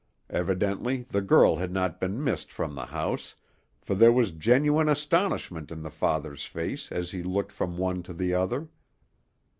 Evidently the girl had not been missed from the house, for there was genuine astonishment in the father's face as he looked from one to the other.